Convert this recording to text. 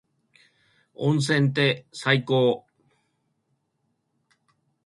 温泉って最高。